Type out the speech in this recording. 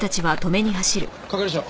係長。